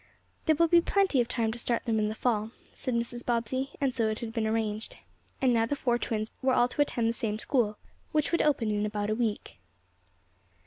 "There will be plenty of time to start them in the Fall," said Mrs. Bobbsey, and so it had been arranged. And now the four twins were all to attend the same school, which would open in about a week.